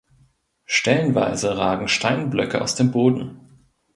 Stellenweise ragen Steinblöcke aus dem Boden.